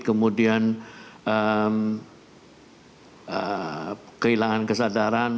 kemudian kehilangan kesadaran